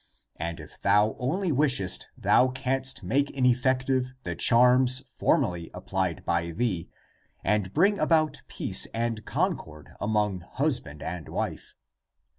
And if thou only wishest thou canst make ineffective the charms (formerly applied by thee), and bring about peace and concord among husband and wife.